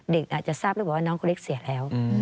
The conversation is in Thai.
เด็กอาจจะทราบได้ว่าน้องคนเล็กเสียแล้ว